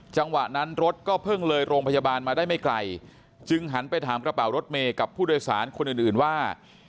จังหวะนั้นรถก็เพิ่งเลยโรงพยาบาลมาได้ไม่ไกลจึงหันไปถามกระเป๋ารถเมย์กับผู้โดยสารคนอื่นอื่นว่า